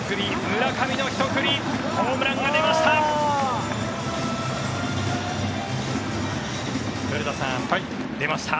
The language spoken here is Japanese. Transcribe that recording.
村上のひと振りホームランが出ました。